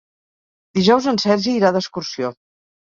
Dijous en Sergi irà d'excursió.